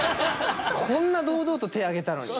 こんな堂々と手挙げたのに。